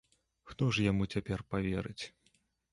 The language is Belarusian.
Хто ж яму цяпер паверыць?